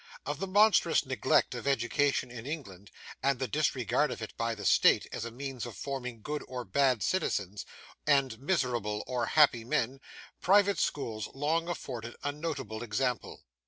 Of the monstrous neglect of education in England, and the disregard of it by the State as a means of forming good or bad citizens, and miserable or happy men, private schools long afforded a notable example.